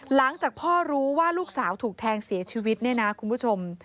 หลังจากพ่อรู้ว่าลูกสาวถูกแทงเสียชีวิตเนี่ยนะคุณผู้ชม